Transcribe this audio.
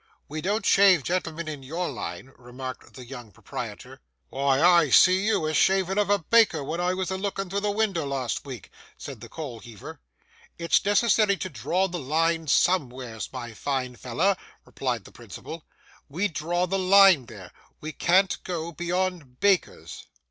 'We don't shave gentlemen in your line,' remarked the young proprietor. 'Why, I see you a shaving of a baker, when I was a looking through the winder, last week,' said the coal heaver. 'It's necessary to draw the line somewheres, my fine feller,' replied the principal. 'We draw the line there. We can't go beyond bakers.